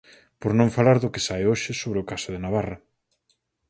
Por non falar do que sae hoxe sobre o caso de Navarra.